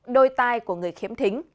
đôi tay của người khiếm thính